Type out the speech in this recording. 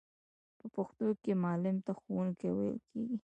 په پښتو کې معلم ته ښوونکی ویل کیږی.